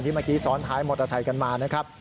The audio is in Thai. เมื่อกี้ซ้อนท้ายมอเตอร์ไซค์กันมานะครับ